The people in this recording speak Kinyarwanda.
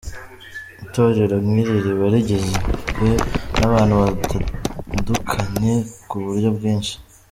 Itorero nk’iri riba rigizwe n’abantu batandukanye ku buryo bwinshi.